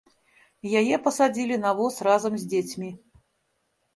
Яе пасадзілі на воз разам з дзецьмі.